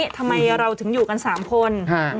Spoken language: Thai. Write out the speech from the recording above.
ทำไมเราถึงอยู่กัน๓คน